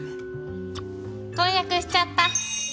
婚約しちゃった。